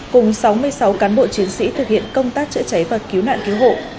cùng sáu mươi sáu cán bộ chiến sĩ thực hiện công tác chữa cháy và cứu nạn cứu hộ